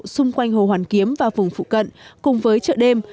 xung quanh hồ hoàn kiếm và vùng phụ cận cùng với chợ đêm